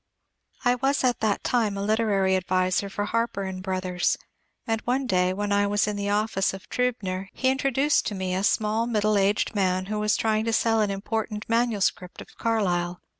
I was at that time a literary adviser for Harper & Brothers, and one day when I was in the office of Triibner, he intro duced to me a small middle aged man who was trying to sell an important manuscript of Carlyle.